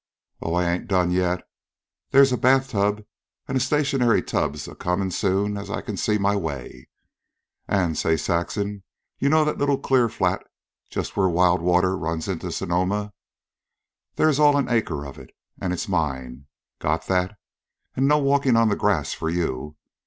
"Oh, I ain't done yet. They's a bath tub an' stationary tubs a comin' soon as I can see my way. An', say, Saxon, you know that little clear flat just where Wild Water runs into Sonoma. They's all of an acre of it. An' it's mine! Got that? An' no walkin' on the grass for you.